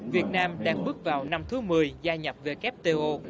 việt nam đang bước vào năm thứ một mươi gia nhập wto